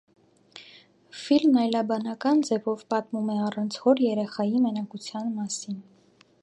Ֆիլմն այլաբանական ձևով պատմում է առանց հոր երեխայի մենակության մասին։